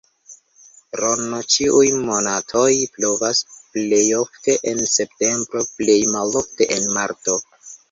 Rn ĉiuj monatoj pluvas, plej ofte en septembro, plej malofte en marto.